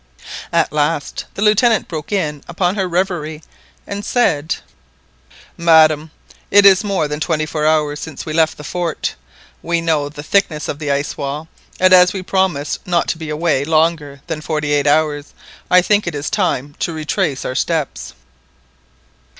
At last the Lieutenant broke in upon her reverie, and said— "Madam, it is more than twenty four hours since we left the fort. We now know the thickness of the ice wall, and as we promised not to be away longer than forty eight hours, I think it is time to retrace our steps."